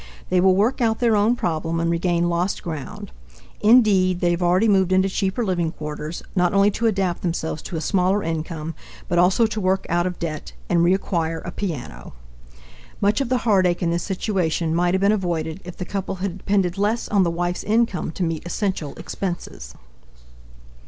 They will work out their own problem and regain lost ground. Indeed, they have already moved into cheaper living quarters, not only to adapt themselves to a smaller income but also to work out of debt and re acquire a piano. Much of the heartache in this situation might have been avoided if the couple had depended less on the wife's income to meet essential expenses.